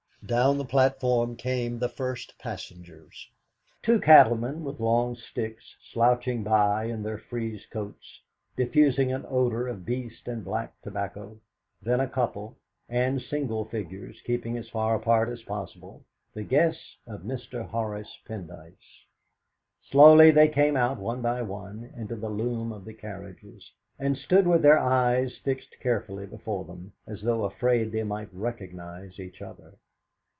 Down the platform came the first passengers two cattlemen with long sticks, slouching by in their frieze coats, diffusing an odour of beast and black tobacco; then a couple, and single figures, keeping as far apart as possible, the guests of Mr. Horace Pendyce. Slowly they came out one by one into the loom of the carriages, and stood with their eyes fixed carefully before them, as though afraid they might recognise each other.